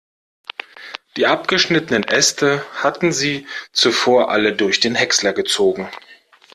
Die abgeschnittenen Äste hatten sie zuvor alle durch den Häcksler gezogen.